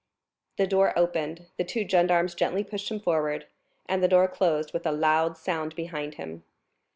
The door opened, the two gendarmes gently pushed him forward, and the door closed with a loud sound behind him.